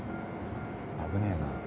危ねえなあ。